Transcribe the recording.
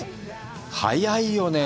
早いよね。